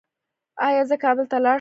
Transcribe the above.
ایا زه کابل ته لاړ شم؟